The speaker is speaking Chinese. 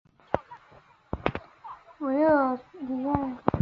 拉韦尔里埃。